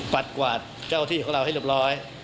กวาดเจ้าที่ของเราให้เรียบร้อย